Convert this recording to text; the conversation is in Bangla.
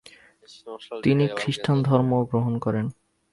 তিনি খ্রিস্টান ধর্ম গ্রহণ করেন।